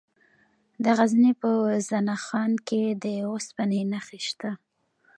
د غزني په زنه خان کې د اوسپنې نښې شته.